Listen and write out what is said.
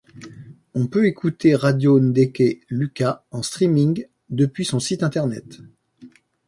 On peut écouter Radio Ndeke Luka en streaming depuis son site Internet.